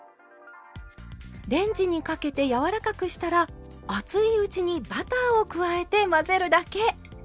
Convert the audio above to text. レンジにかけて柔らかくしたら熱いうちにバターを加えて混ぜるだけ。